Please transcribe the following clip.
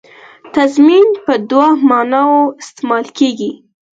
تضمین په دوو معناوو استعمالېږي.